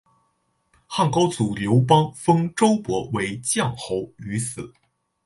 汉高祖刘邦封周勃为绛侯于此。